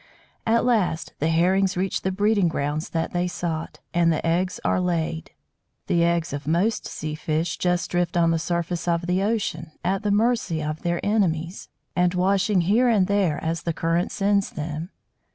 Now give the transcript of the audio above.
At last the Herrings reach the breeding grounds that they sought, and the eggs are laid. The eggs of most sea fish just drift on the surface of the ocean, at the mercy of their enemies, and washing here and there as the current sends them.